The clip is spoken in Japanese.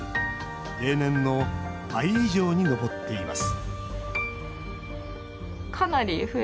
例年の倍以上に上っています